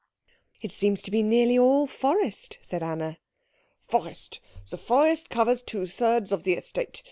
"It seems to be nearly all forest," said Anna. "Forest! The forest covers two thirds of the estate.